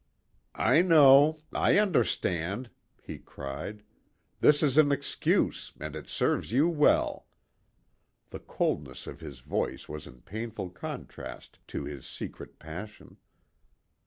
"I know. I understand," he cried. "This is an excuse, and it serves you well." The coldness of his voice was in painful contrast to his recent passion.